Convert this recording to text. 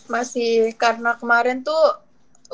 masih karena kemarin tuh